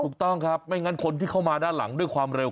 ถูกต้องครับไม่งั้นคนที่เข้ามาด้านหลังด้วยความเร็ว